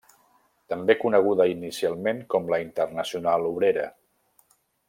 També coneguda inicialment com la Internacional Obrera.